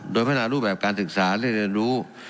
โดยพนาศ์รูปแบบการศึกษาเรียนเรียนรู้